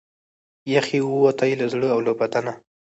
یخ یې ووتی له زړه او له بدنه